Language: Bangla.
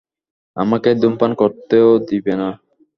আমাকে ধূমপান করতেও দিবে না।